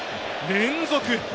連続。